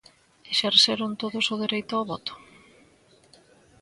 ¿Exerceron todos o dereito ao voto?